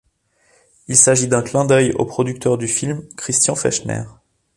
Il s'agit d'un clin d'œil au producteur du film Christian Fechner.